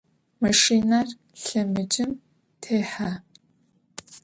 Maşşiner lhemıcım têhe.